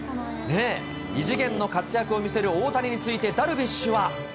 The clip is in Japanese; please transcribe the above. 異次元の活躍を見せる大谷について、ダルビッシュは。